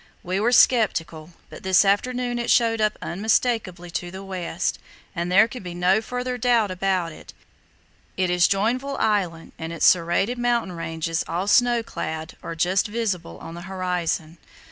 We were sceptical, but this afternoon it showed up unmistakably to the west, and there can be no further doubt about it. It is Joinville Island, and its serrated mountain ranges, all snow clad, are just visible on the horizon.